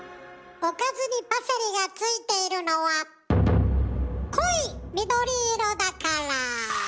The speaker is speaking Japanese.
おかずにパセリがついているのは濃い緑色だから！